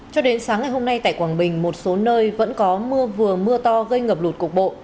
cho đến sáng ngày hôm nay tại quảng bình một số nơi vẫn có mưa vừa mưa to gây ngập lụt cục bộ